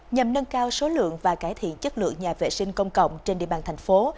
nhằm nâng cao số lượng và cải thiện chất lượng nhà vệ sinh công cộng trên địa bàn thành phố